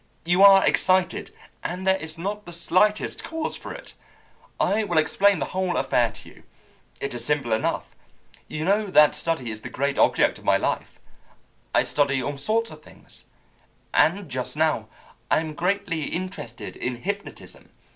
"You are excited, and there is not the slightest cause for it. I will explain the whole affair to you. It is simple enough. You know that study is the great object of my life. I study all sorts of things; and just now I am greatly interested in hypnotism.